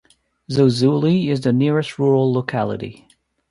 Zozuli is the nearest rural locality.